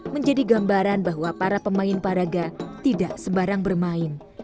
menjadi gambaran bahwa para pemain paraga tidak sebarang bermain